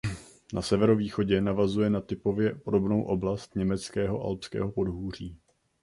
Na severovýchodě navazuje na typově podobnou oblast německého Alpského podhůří.